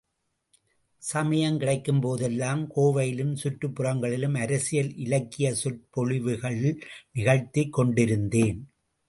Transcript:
சமயம் கிடைக்கும்போதெல்லாம் கோவையிலும், சுற்றுப் புறங்களிலும் அரசியல் இலக்கியச்சொற்பொழிவுகள் நிகழ்த்திக் கொண்டிருந்தேன்.